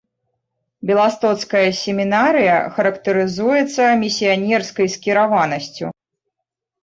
Беластоцкая семінарыя характарызуецца місіянерскай скіраванасцю.